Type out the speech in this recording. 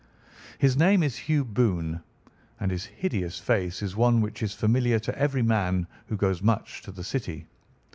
His name is Hugh Boone, and his hideous face is one which is familiar to every man who goes much to the City.